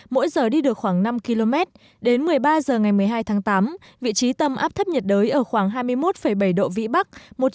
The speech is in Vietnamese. mỗi giờ đi được khoảng năm km đến một mươi ba h ngày một mươi hai tháng tám vị trí tâm áp thấp nhiệt đới ở khoảng hai mươi một bảy độ vĩ bắc